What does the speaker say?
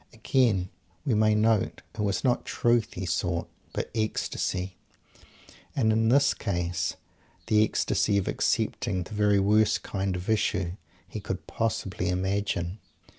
Again, we may note, it was not "Truth" he sought, but ecstasy, and, in this case, the ecstasy of "accepting" the very worst kind of issue he could possibly imagine.